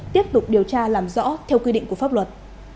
tiếp tục điều tra làm rõ theo quy định của pháp luật